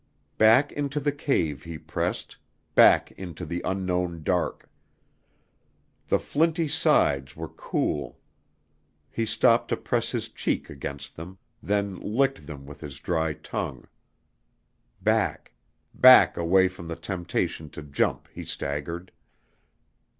Back into the cave he pressed back into the unknown dark. The flinty sides were cool. He stopped to press his cheeks against them, then licked them with his dry tongue. Back back away from the temptation to jump, he staggered.